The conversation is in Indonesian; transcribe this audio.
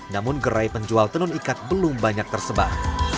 namun gerai penjual tenun ikat belum banyak tersebar